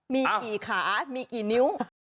มีกี่ขามีกี่นิ้ว